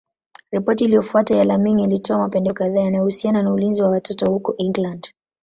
Ripoti iliyofuata ya Laming ilitoa mapendekezo kadhaa yanayohusiana na ulinzi wa watoto huko England.